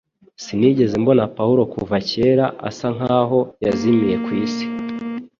Sinigeze mbona Pawulo kuva kera; asa nkaho yazimiye kwisi